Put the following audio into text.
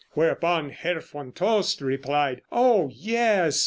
Whereupon Herr von Tost replied: 'Oh, yes!